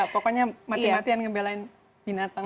pokoknya mati matian ngebelain binatang